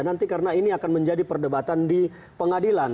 nanti karena ini akan menjadi perdebatan di pengadilan